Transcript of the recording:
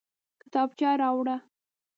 کتابچه راوړه